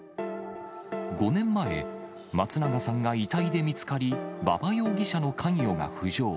５年前、松永さんが遺体で見つかり、馬場容疑者の関与が浮上。